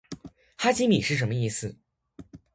哈基米是什么意思？